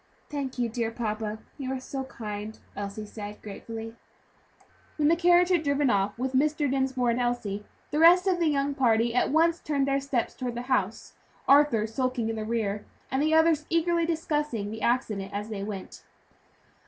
"Thank you, dear papa, you are so kind," Elsie said, gratefully. When the carriage had driven off with Mr. Dinsmore and Elsie, the rest of the young party at once turned their steps toward the house; Arthur skulking in the rear, and the others eagerly discussing the accident as they went.